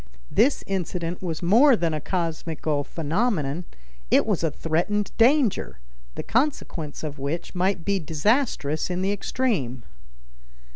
This incident was more than a cosmical phenomenon; it was a threatened danger, the consequence of which might be disastrous in the extreme.